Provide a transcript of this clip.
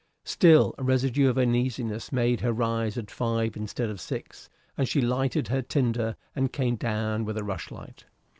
Still a residue of uneasiness made her rise at five instead of six, and she lighted her tinder and came down with a rushlight.